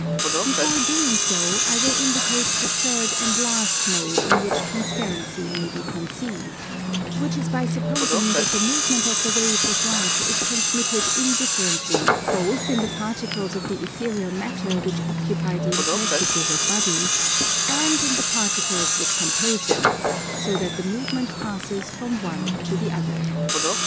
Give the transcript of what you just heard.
Before doing so, I will indicate the third and last mode in which transparency may be conceived; which is by supposing that the movement of the waves of light is transmitted indifferently both in the particles of the ethereal matter which occupy the interstices of bodies, and in the particles which compose them, so that the movement passes from one to the other.